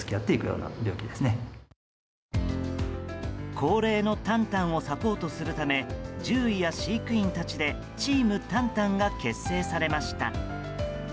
高齢のタンタンをサポートするため獣医や飼育員たちでチームタンタンが結成されました。